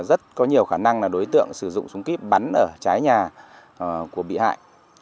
rất có nhiều khả năng là đối tượng sử dụng súng kíp bắn ở trái nhà của bị hại